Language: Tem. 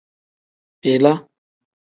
Bila.